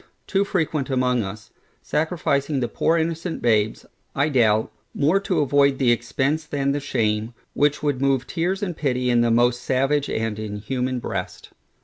too frequent among us, sacrificing the poor innocent babes, I doubt, more to avoid the expence than the shame, which would move tears and pity in the most savage and inhuman breast.